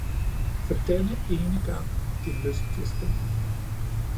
For denne ene gang din lyst jeg stiller